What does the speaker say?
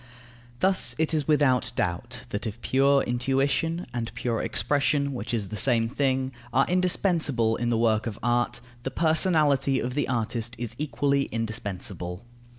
Thus it is without doubt that if pure intuition (and pure expression, which is the same thing) are indispensable in the work of art, the personality of the artist is equally indispensable.